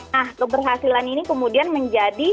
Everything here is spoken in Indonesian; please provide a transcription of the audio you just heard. nah keberhasilan ini kemudian menjadi